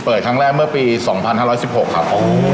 ครั้งแรกเมื่อปี๒๕๑๖ครับ